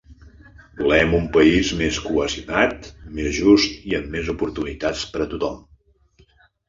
Volem un país més cohesionat, més just i amb més oportunitats per tothom.